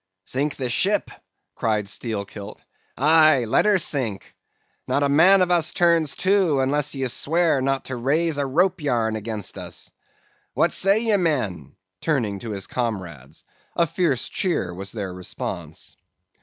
"'Sink the ship?' cried Steelkilt. 'Aye, let her sink. Not a man of us turns to, unless you swear not to raise a rope yarn against us. What say ye, men?' turning to his comrades. A fierce cheer was their response.